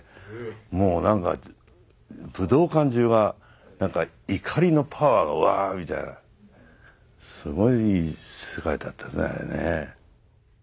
もう何か武道館中が怒りのパワーがわみたいなすごい世界だったですねあれね。